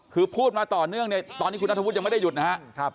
คือพูดมาต่อเนื่องเนี่ยตอนนี้คุณนัทวุฒิยังไม่ได้หยุดนะครับ